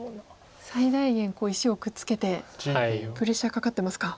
最大限石をくっつけてプレッシャーかかってますか。